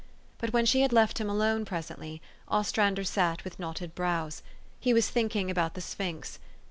But, when she had left him alone presently, Ostrander sat with knotted brows. He was think ing about the sphinx.